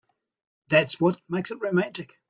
That's what makes it romantic.